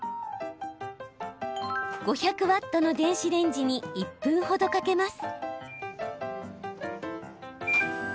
５００Ｗの電子レンジに１分ほどかけます。